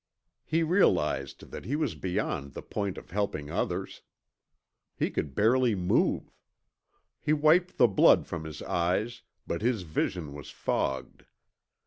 He realized that he was beyond the point of helping others. He could barely move. He wiped the blood from his eyes, but his vision was fogged.